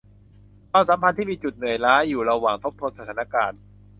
ความสัมพันธ์ที่มีจุดเหนื่อยล้าอยู่ระหว่างทบทวนสถานการณ์